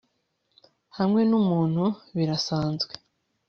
Hamwe numuntu birasanzwe